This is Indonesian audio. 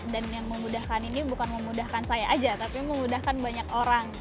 dan yang memudahkan ini bukan memudahkan saya saja tapi memudahkan banyak orang